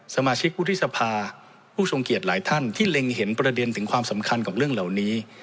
สมาชิกวุฒิสภาผู้ทรงเกียจหลายท่านที่เล็งเห็นประเด็นถึงความสำคัญกับเรื่องเหล่านี้